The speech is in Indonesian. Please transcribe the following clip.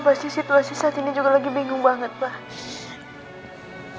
pasti situasi saat ini juga lagi bingung banget pak